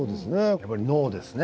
やっぱり脳ですね。